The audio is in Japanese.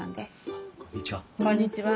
あっこんにちは。